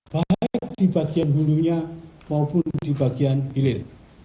baik di bagian hulunya maupun di bagian hilir